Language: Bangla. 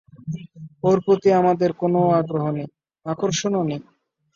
ওর প্রতি আমাদের কোন আগ্রহ নেই, আকর্ষণও নেই।